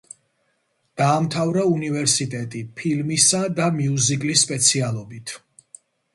დაამთავრა უნივერსიტეტი ფილმისა და მიუზიკლის სპეციალობით.